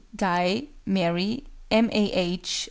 GUY, MARY, M. A. H.